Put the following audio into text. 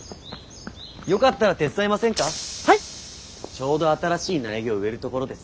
ちょうど新しい苗木を植えるところです。